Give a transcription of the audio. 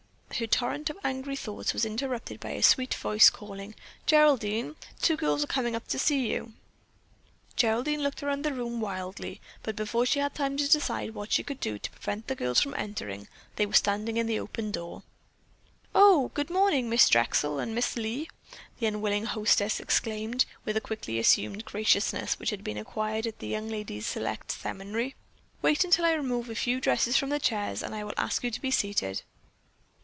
Her torrent of angry thoughts was interrupted by a sweet voice calling: "Geraldine, two girls are coming up to see you." Geraldine looked around the room wildly, but before she had time to decide what she could do to prevent the girls from entering, they were standing in the open door. "Oh, good morning, Miss Drexel and Miss Lee," the unwilling hostess exclaimed, with a quickly assumed graciousness which had been acquired at the young ladies' select seminary. "Wait until I remove a few dresses from the chairs and I will ask you to be seated."